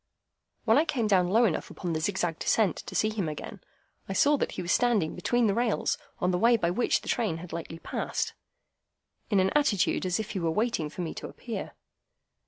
When I came down low enough upon the zigzag descent to see him again, I saw that he was standing between the rails on the way by which the train had lately passed, in an attitude as if he were waiting for me to appear.